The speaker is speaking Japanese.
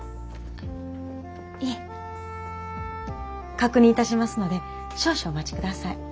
確認いたしますので少々お待ちください。